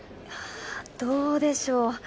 どうでしょう。